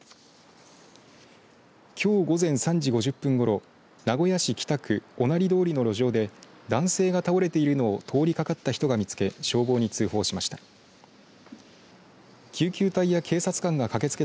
きょう午前３時５０分ごろ名古屋市北区御成通の路上で男性が倒れているのを通りかかった人が見つけ